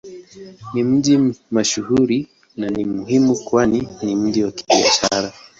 Ni mji mashuhuri na ni muhimu kwani ni mji wa Kibiashara.